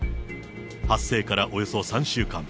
発生からおよそ３週間。